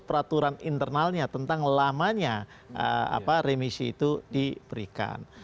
peraturan internalnya tentang lamanya remisi itu diberikan